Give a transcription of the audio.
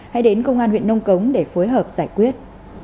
hãy đến công an huyện nông cống để phối hợp giải quyết